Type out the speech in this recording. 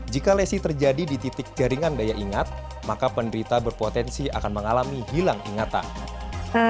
jika lesi terjadi di titik jaringan daya ingat maka penderita berpotensi akan mengalami hilang ingatan